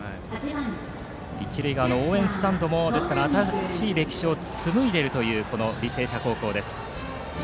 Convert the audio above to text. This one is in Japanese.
一塁側の応援スタンドも新しい歴史をつむいでいるという履正社高校。